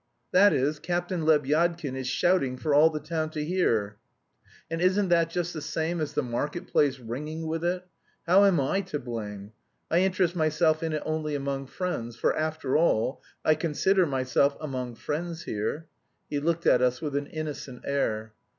"That is, Captain Lebyadkin is shouting for all the town to hear, and isn't that just the same as the market place ringing with it? How am I to blame? I interest myself in it only among friends, for, after all, I consider myself among friends here." He looked at us with an innocent air.